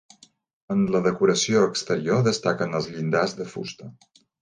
En la decoració exterior destaquen els llindars de fusta.